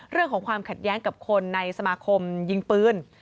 เรื่องของความขัดแย้งกับคนในสมาคมยิงปืน